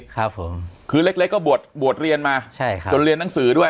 ๔๔ครับผมคือเล็กก็บวชเรียนมาจนเรียนหนังสือด้วย